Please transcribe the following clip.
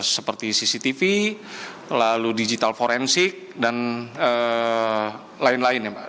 seperti cctv lalu digital forensik dan lain lain ya mbak